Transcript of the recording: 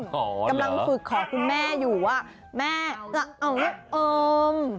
กำลังฝึกขอคุณแม่อยู่ว่าแม่จะเอาลูกอม